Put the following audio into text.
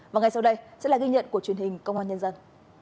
và ngay sau đây sẽ là ghi nhận của truyền hình công an nhân dân